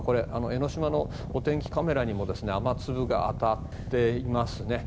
江の島のお天気カメラにも雨粒が当たっていますね。